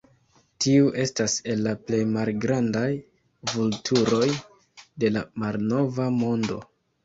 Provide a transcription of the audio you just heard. Tiu estas el la plej malgrandaj vulturoj de la Malnova Mondo.